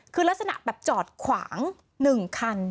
คือลักษณะแบบจอดขวาง๑คัน